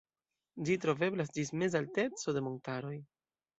Ĝi troveblas ĝis meza alteco de montaroj.